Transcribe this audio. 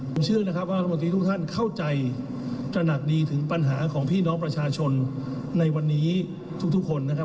ผมเชื่อนะครับว่ารัฐมนตรีทุกท่านเข้าใจตระหนักดีถึงปัญหาของพี่น้องประชาชนในวันนี้ทุกคนนะครับ